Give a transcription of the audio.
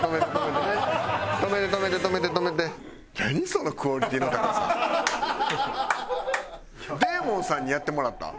そのクオリティーの高さ。